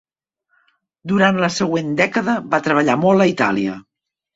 Durant la següent dècada, va treballar molt a Itàlia.